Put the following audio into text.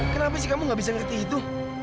kenapa sih kamu gak bisa ngerti itu